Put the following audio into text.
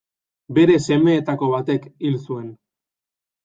Bere semeetako batek hil zuen.